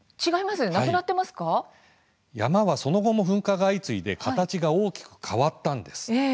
山はその後も噴火が相次いで形が大きく変わったんです。